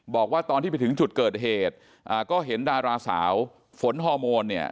บอกว่าตอนที่ไปถึงจุดเกิดเหตุก็เห็นดาราสาวฝนฮอร์โมนเนี่ย